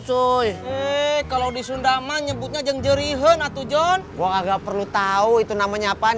cuy eh kalau di sunda man nyebutnya jengjerihan atau john gua nggak perlu tahu itu namanya apaan